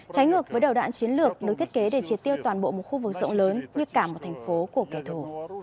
trái ngược với đầu đạn chiến lược được thiết kế để chiến tiêu toàn bộ một khu vực rộng lớn như cả một thành phố của kẻ thù